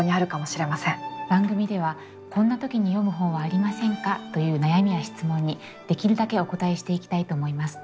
番組では「こんな時に読む本はありませんか？」という悩みや質問にできるだけお応えしていきたいと思います。